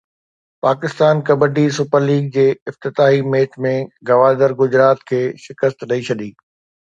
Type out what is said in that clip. Pakistan kabaddi super league جي افتتاحي match ۾ Gwadar Gujrat کي شڪست ڏئي ڇڏي